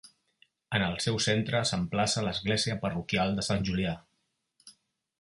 En el seu centre s'emplaça l'església parroquial de Sant Julià.